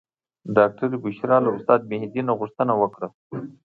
ډاکټرې بشرا له استاد مهدي نه غوښتنه وکړه.